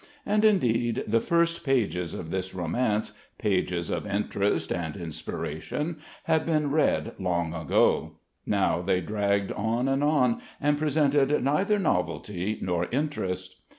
And indeed the first pages of this romance, pages of interest and inspiration, had been read long ago; now they dragged on and on, and presented neither novelty nor interest.